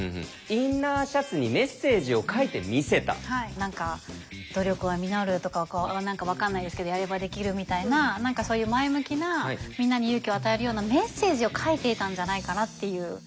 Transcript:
何か「努力は実る」とかこう何か分かんないですけど「やればできる」みたいな何かそういう前向きなみんなに勇気を与えるようなメッセージを書いていたんじゃないかなっていう。